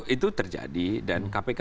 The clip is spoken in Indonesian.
itu terjadi dan kpk